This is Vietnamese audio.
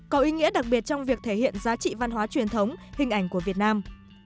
có ý nghĩa đặc biệt trong việc thể hiện giá trị văn hóa truyền thống hình ảnh của việt nam